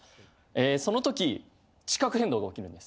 その時地殻変動が起きるんです。